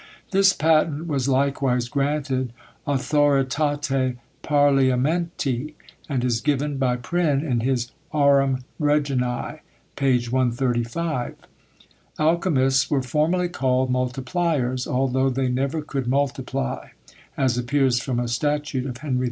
This patent was likewise granted authoritate Parliamenti; and is given by Prynne in his Aurum Reginæ, p. 135. Alchymists were formerly called multipliers, although they never could multiply; as appears from a statute of Henry IV.